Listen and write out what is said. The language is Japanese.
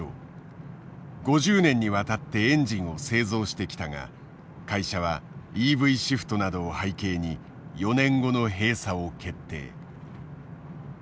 ５０年にわたってエンジンを製造してきたが会社はＥＶシフトなどを背景に４年後の閉鎖を決定。